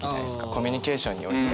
コミュニケーションにおいて。